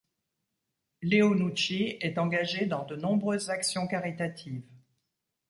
Leo Nucci est engagé dans de nombreuses actions caritatives.